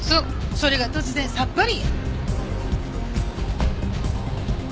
それが突然さっぱり。